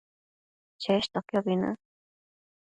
cheshtoquiobi në